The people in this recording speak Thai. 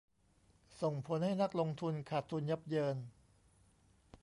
ส่งผลให้นักลงทุนขาดทุนยับเยิน